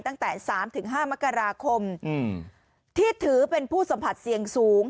ตั้งแต่๓๕มกราคมที่ถือเป็นผู้สัมผัสเสี่ยงสูง